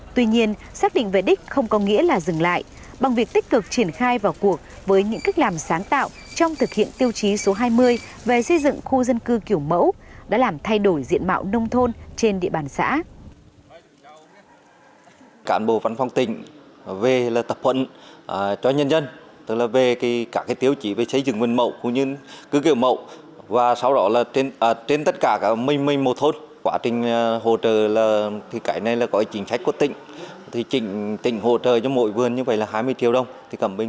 huyện đã huy động cả hệ thống chính trị vào cuộc thực hiện đồng bộ một mươi chín tiêu chí trong bộ tiêu chí số hai mươi về khu dân cư kiểu mẫu do tỉnh hà tĩnh xây dựng nông thôn